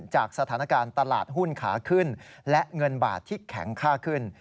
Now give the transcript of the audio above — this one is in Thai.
จากสถานการณ์ตลาดหุ้นขาขึ้นและเงินบาทที่แข็งค่าขึ้น